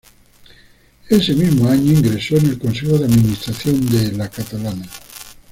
Ese mismo año ingresó en el consejo de administración de "la Catalana".